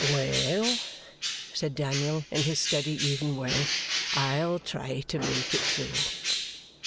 'Well!' said Daniel, in his steady even way, 'I'll try to make it so.